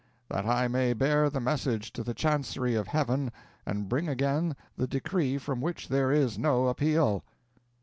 that I may bear the message to the chancery of heaven and bring again the decree from which there is no appeal."